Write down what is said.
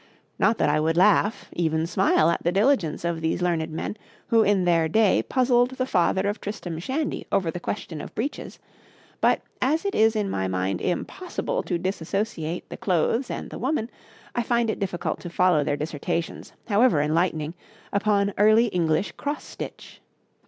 Not that I would laugh, even smile, at the diligence of these learned men who in their day puzzled the father of Tristram Shandy over the question of breeches, but, as it is in my mind impossible to disassociate the clothes and the woman, I find it difficult to follow their dissertations, however enlightening, upon Early English cross stitch.